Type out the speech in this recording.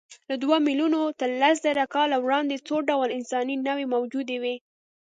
له دوو میلیونو تر لسزره کاله وړاندې څو ډوله انساني نوعې موجودې وې.